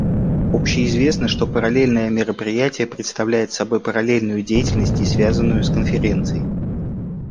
Общеизвестно, что параллельное мероприятие представляет собой параллельную деятельность, не связанную с Конференцией.